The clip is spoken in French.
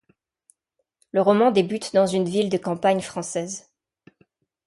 Le roman débute dans une ville de campagne française.